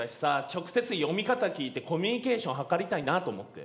直接読み方聞いてコミュニケーション図りたいなと思って。